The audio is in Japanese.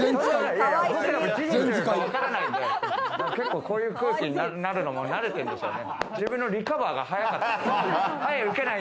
結構こういう空気になるのも慣れてるんでしょうね。